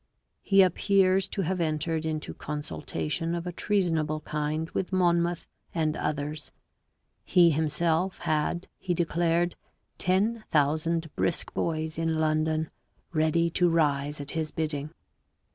He appears to have entered into consultation of a treasonable kind with Monmouth and others; he himself had, he declared, ten thousand brisk boys in London ready to rise at his bidding.